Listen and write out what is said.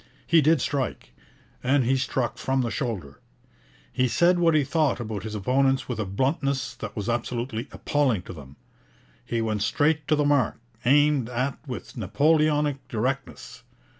He did strike, and he struck from the shoulder. He said what he thought about his opponents with a bluntness that was absolutely appalling to them. He went straight to the mark aimed at with Napoleonic directness.